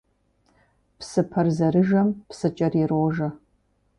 Псыпэр зэрыжэм псыкӀэр ирожэ.